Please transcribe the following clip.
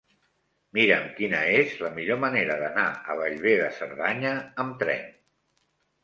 Mira'm quina és la millor manera d'anar a Bellver de Cerdanya amb tren.